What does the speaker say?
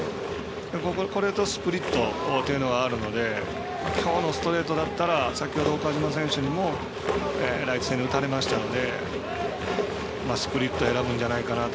これとスプリットというのがあるのできょうのストレートだったら先ほど岡島選手にもライト線に打たれましたのでスプリット選ぶんじゃないかなと。